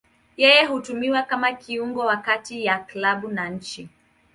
Yeye hutumiwa kama kiungo wa kati ya klabu na nchi.